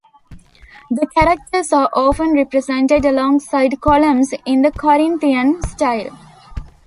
The characters are often represented alongside columns in the Corinthian style.